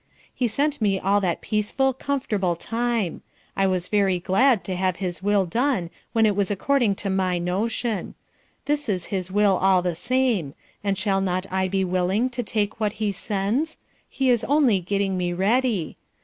He sent me all that peaceful, comfortable time; I was very glad to have his will done when it was according to my notion; this is his will all the same, and shall not I be willing to take what he sends? He is only getting me ready.